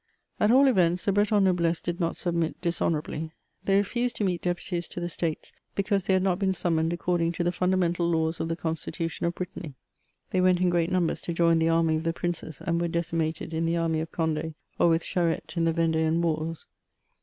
At all events, the Breton noblesse did not submit dishonourably. They refused to meet deputies to the States, because they had not been summoned according to the fundamental laws of the constitution of Brittany ; they went in great numbers to join the army of the princes, and were decimated in the army of Conde, or with Charette in the Vendean wars.